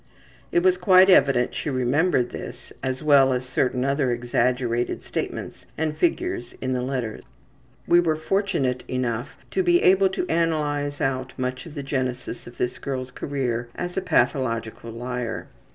'' It was quite evident she remembered this, as well as certain other exaggerated statements and figures in the letter. We were fortunate enough to be able to analyze out much of the genesis of this girl's career as a pathological liar.